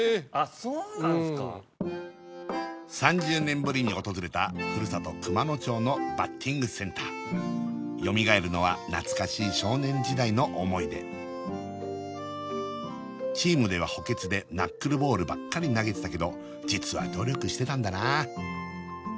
そうなんですかうん３０年ぶりに訪れた故郷熊野町のバッティングセンターよみがえるのは懐かしい少年時代の思い出チームでは補欠でナックルボールばっかり投げてたけど実は努力してたんだな